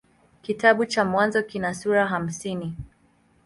Kitabu cha Mwanzo kina sura hamsini.